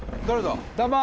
誰だ？